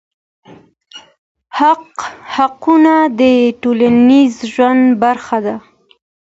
حقوق د ټولنيز ژوند برخه ده؟